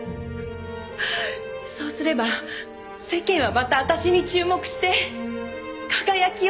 そうすれば世間はまた私に注目して輝きを取り戻せる。